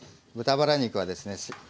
豚バラ肉はですね